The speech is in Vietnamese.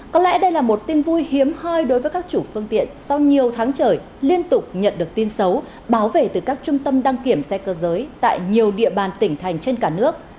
có lẽ đây là một tin vui hiếm hoi đối với các chủ phương tiện sau nhiều tháng trời liên tục nhận được tin xấu báo về từ các trung tâm đăng kiểm xe cơ giới tại nhiều địa bàn tỉnh thành trên cả nước